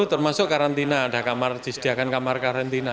termasuk karantina ada kamar disediakan kamar karantina